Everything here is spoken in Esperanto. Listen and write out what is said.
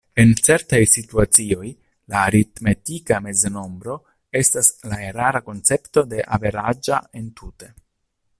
En certaj situacioj, la aritmetika meznombro estas la erara koncepto de "averaĝa" entute.